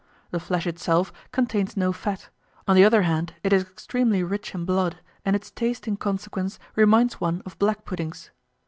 The flesh itself contains no fat; on the other hand, it is extremely rich in blood and its taste in consequence reminds one of black puddings.